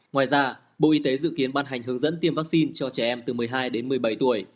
ngoài ra bộ y tế dự kiến ban hành hướng dẫn tiêm vaccine cho trẻ em từ một mươi hai đến một mươi bảy tuổi